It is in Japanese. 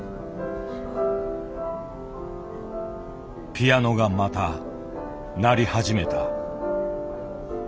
ピアノがまた鳴り始めた。